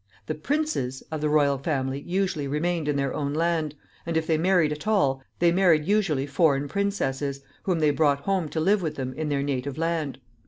The princes of the royal family usually remained in their own land, and, if they married at all, they married usually foreign princesses, whom they brought home to live with them in their native land.